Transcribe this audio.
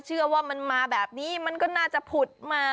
เชื่อว่ามันมาแบบนี้มันก็น่าจะผุดมา